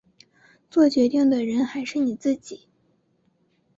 作决定的人还是你自己